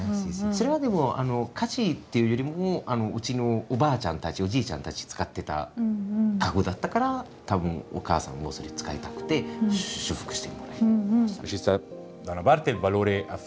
それはでも価値っていうよりもうちのおばあちゃんたちおじいちゃんたち使ってた家具だったからたぶんお母さんもそれ使いたくて修復して。